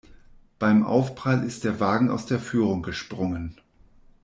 Beim Aufprall ist der Wagen aus der Führung gesprungen.